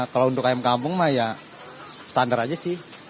kalau untuk ayam kampung mah ya standar aja sih